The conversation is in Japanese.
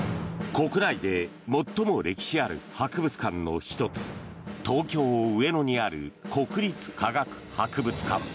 国内で最も歴史ある博物館の１つ東京・上野にある国立科学博物館。